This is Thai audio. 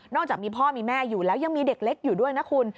อกจากมีพ่อมีแม่อยู่แล้วยังมีเด็กเล็กอยู่ด้วยนะคุณ